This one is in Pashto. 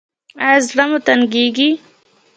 ایا زړه مو تنګیږي؟